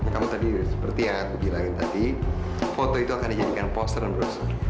kamu tadi seperti yang aku bilangin tadi foto itu akan dijadikan poster dan brosur